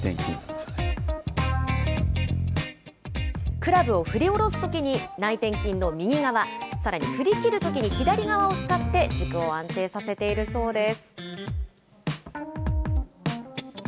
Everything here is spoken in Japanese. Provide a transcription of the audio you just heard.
クラブを振り下ろすときに内転筋の右側、さらに振り切るときに左側を使って軸を安定させているそうです。